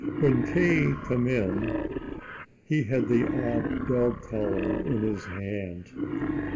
When K. came in, he had the old dog collar in his hand.